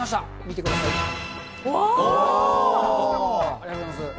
ありがとうございます。